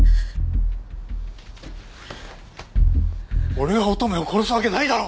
俺が乙女を殺すわけないだろ！